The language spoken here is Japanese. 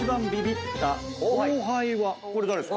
これ誰ですか？